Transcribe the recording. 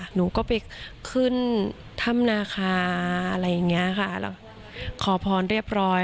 หนูก็ไปขึ้นถ้ำนาคาอะไรอย่างเงี้ยค่ะแล้วขอพรเรียบร้อย